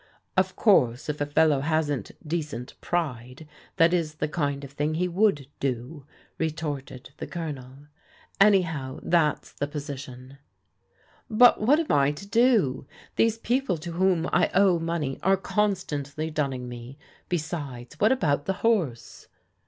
" Of course if a fellow hasn't decent pride, that is the Idnd of thing he would do," retorted the Colonel "Any how, that's the position," '* But what am I to do ? These people to whom I owe money are constantly dunning me. Besides, what about the horse?"